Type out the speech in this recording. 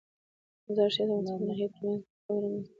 مزارشریف د افغانستان د ناحیو ترمنځ مهم تفاوتونه رامنځ ته کوي.